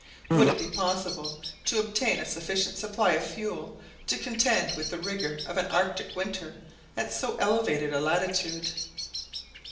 Would it be possible to obtain a sufficient supply of fuel to contend with the rigour of an Arctic winter at so elevated a latitude?